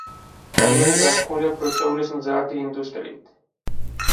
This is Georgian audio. რაიონი განთქმულია ბროწეულის მზარდი ინდუსტრიით.